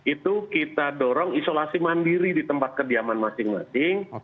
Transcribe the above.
itu kita dorong isolasi mandiri di tempat kediaman masing masing